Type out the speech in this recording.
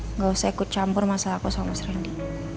enggak usah ikut campur masalah aku sama mas rendy